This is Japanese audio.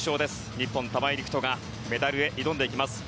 日本、玉井陸斗がメダルへ挑んでいきます。